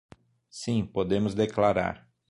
Sim, podemos declarar.